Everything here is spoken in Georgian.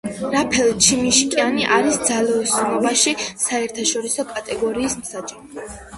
რაფაელ ჩიმიშკიანი არის ძალოსნობაში საერთაშორისო კატეგორიის მსაჯი.